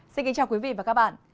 xin kính chào quý vị và các bạn